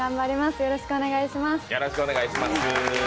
よろしくお願いします。